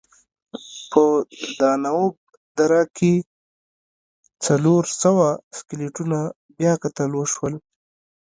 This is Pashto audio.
په دانوب دره کې څلور سوه سکلیټونه بیاکتل وشول.